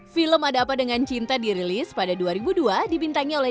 film ada apa dengan cinta dirilis pada dua ribu dua dibintangi oleh